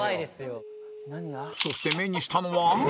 そして目にしたのは